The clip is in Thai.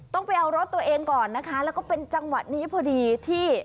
ต้องไปเอารถตัวเองก่อนนะคะแล้วก็เป็นจังหวะนี้พอดีที่